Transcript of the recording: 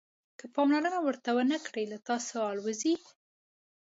که پاملرنه ورته ونه کړئ له تاسو الوزي.